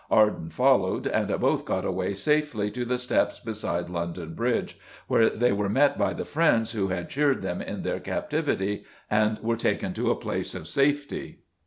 Arden followed, and both got away safely to the steps beside London Bridge, where they were met by the friends who had cheered them in their captivity, and were taken to a place of safety.